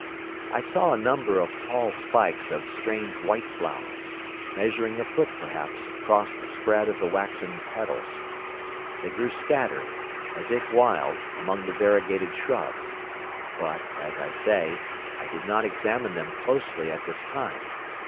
I saw a number of tall spikes of strange white flowers, measuring a foot perhaps across the spread of the waxen petals. They grew scattered, as if wild, among the variegated shrubs, but, as I say, I did not examine them closely at this time.